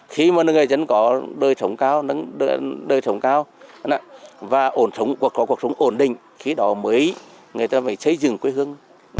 khi mà nông dân có đời sống cao và có cuộc sống ổn định khi đó mới người ta phải xây dựng quê hương